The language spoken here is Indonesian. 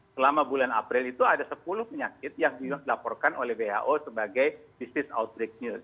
selama bulan april itu ada sepuluh penyakit yang dilaporkan oleh who sebagai business outbreak news